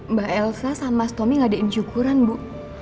mbak elsa sama mas tommy gak diinjukuran bu